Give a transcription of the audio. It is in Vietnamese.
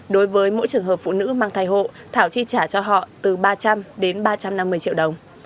đối với mỗi trường hợp phụ nữ mang thai hộ thảo chi trả cho họ từ ba trăm linh đến ba trăm năm mươi triệu đồng